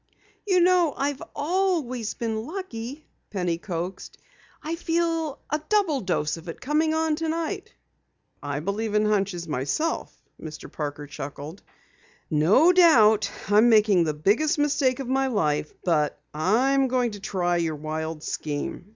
"You know, I've ALWAYS been lucky," Penny coaxed. "I feel a double dose of it coming on tonight!" "I believe in hunches myself," Mr. Parker chuckled. "No doubt I'm making the biggest mistake of my life, but I'm going to try your wild scheme.